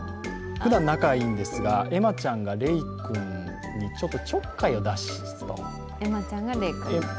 ふだん仲がいいんですが、エマちゃんがレイ君にちょっとちょっかいを出しつつと。